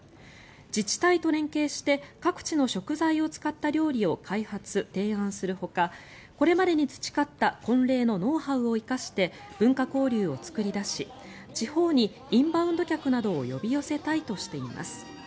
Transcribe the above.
自治体と連携して各地の食材を使った料理を開発・提案するほかこれまでに培った婚礼のノウハウを生かして文化交流を作り出し地方にインバウンド客などを呼び寄せたいとしています。